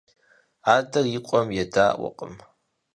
Адэр и къуэм едэӏуакъым.